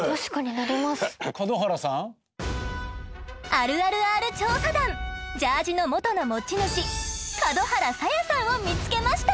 あるあるＲ調査団ジャージの元の持ち主門原紗耶さんを見つけました。